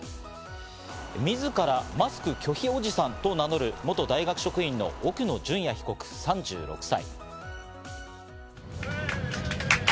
自ら「マスク拒否おじさん」と名乗る元大学職員の奥野淳也被告、３６歳。